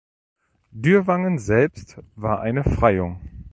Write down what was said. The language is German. Dürrwangen selbst war eine Freiung.